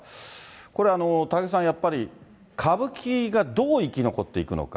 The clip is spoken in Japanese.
これ、高木さん、やっぱり歌舞伎がどう生き残っていくのか。